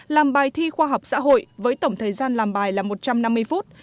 làm bài thi khoa học xã hội với tổng thời gian làm bài là một trăm năm mươi phút